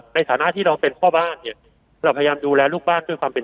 ในฐานะที่เราเป็นพ่อบ้านเนี่ยเราพยายามดูแลลูกบ้านด้วยความเป็น